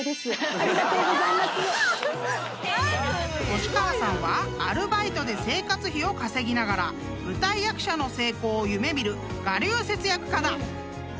［星川さんはアルバイトで生活費を稼ぎながら舞台役者の成功を夢見る我流節約家だ］